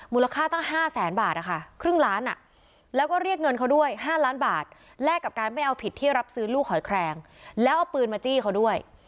มูลค่าตั้ง๕แสนบาทนะคะครึ่งล้านแล้วก็เรียกเงินเขาด้วย๕ล้านบาทแลกกับการไม่เอาผิดที่รับซื้อลูกหอยแคลงแล้วเอาปืนมาจี้เขาด้วย